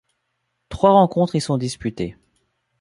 Trois rencontres y sont disputées.